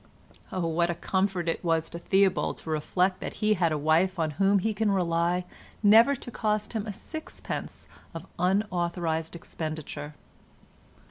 Oh, what a comfort it was to Theobald to reflect that he had a wife on whom he could rely never to cost him a sixpence of unauthorised expenditure!